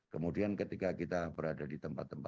kemudian ketika kita berada di tempat yang lebih luas